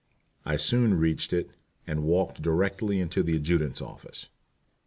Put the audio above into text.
I soon reached it, and walked directly into the adjutant's office.